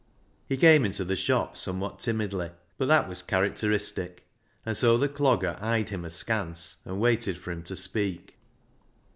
He came into the shop somewhat timidly, but that was characteristic, and so the Clogger eyed him askance and waited for him to speak.